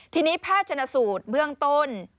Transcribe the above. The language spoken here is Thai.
ทีนี้แพทย์ชนสูตรเบื้องต้น